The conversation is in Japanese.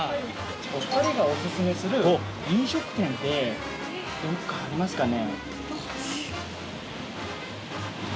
お二人がオススメする飲食店ってどこかありますかね？